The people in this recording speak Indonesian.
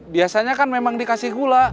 biasanya kan memang dikasih gula